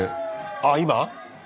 あっ今？